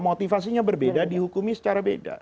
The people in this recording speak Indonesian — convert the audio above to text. motivasinya berbeda dihukumi secara beda